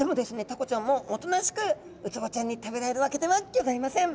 タコちゃんもおとなしくウツボちゃんに食べられるわけではギョざいません。